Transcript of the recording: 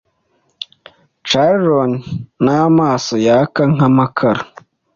Charon n'amaso yaka nk'amakara